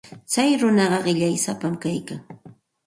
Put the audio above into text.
Tsay runaqa qillaysapam kaykan.